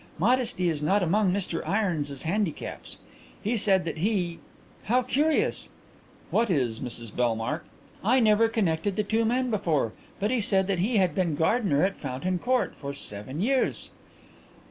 "Modesty is not among Mr Irons's handicaps. He said that he How curious!" "What is, Mrs Bellmark?" "I never connected the two men before, but he said that he had been gardener at Fountain Court for seven years."